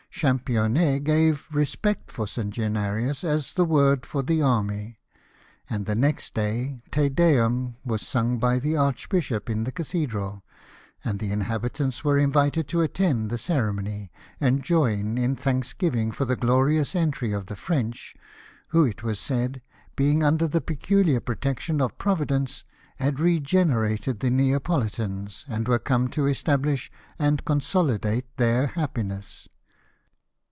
Championet gave "respect for St. Januarius," as the word for the army ; and the next day Te Dev/ni was sung by the archbishop in the cathedral, and the inhabitants were invited to attend 176 LIFE OF NELSON. the ceremony, and join in thanksgiving for the glorious entry of the French, who, it was said, being under the pecuHar protection of Providence, had regenerated the Neapolitans, and were come to estabhsh and consolidate their liappiness.